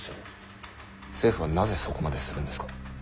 政府がなぜそこまでするんですか？